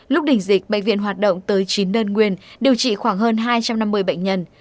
lúc đỉnh dịch bệnh viện hoạt động tới chín đơn nguyên điều trị khoảng hơn hai trăm năm mươi bệnh nhân